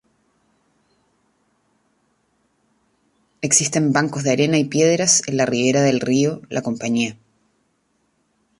Existen bancos de arena y piedra en la ribera del río La Compañía.